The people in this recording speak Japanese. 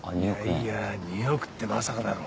いやいや２億ってまさかだろ。